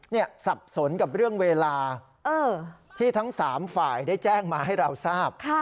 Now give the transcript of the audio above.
สับสนกับเรื่องเวลาที่ทั้ง๓ฝ่ายได้แจ้งมาให้เราทราบ